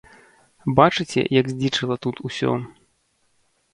Бачыце, як здзічэла тут усё.